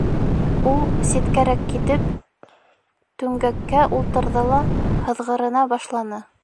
Ул, ситкәрәк китеп, түңгәккә ултырҙы ла һыҙғырына башланы.